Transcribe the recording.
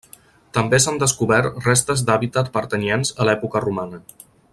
També s'han descobert restes d'hàbitat pertanyents a l'època romana.